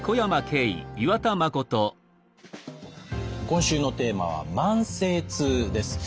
今週のテーマは「慢性痛」です。